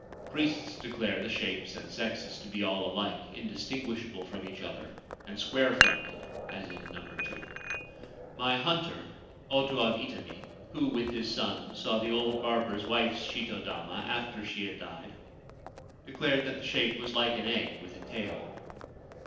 Priests declare the shapes and sexes to be all alike, indistinguishable from each other and square fronted, as in No. 2. My hunter, Oto of Itami, who, with his son, saw the old barber's wife's shito dama after she had died, declared that the shape was like an egg with a tail.